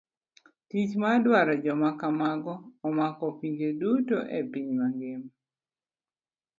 Tich mar daro joma kamago omako pinje duto e piny mang'ima.